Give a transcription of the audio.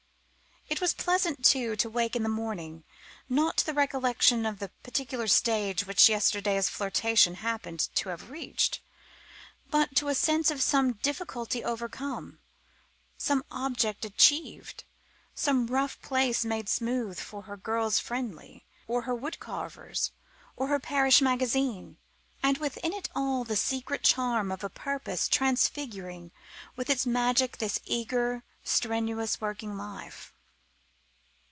It was pleasant, too, to wake in the morning, not to the recollection of the particular stage which yesterday's flirtation happened to have reached, but to the sense of some difficulty overcome, some object achieved, some rough place made smooth for her Girls' Friendly, or her wood carvers, or her Parish Magazine. And within it all the secret charm of a purpose transfiguring with its magic this eager, strenuous, working life.